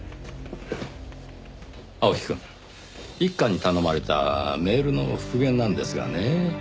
青木くん一課に頼まれたメールの復元なんですがねぇ。